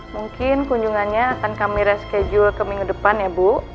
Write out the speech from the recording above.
mungkin kunjungannya akan kami reschedule ke minggu depan ya bu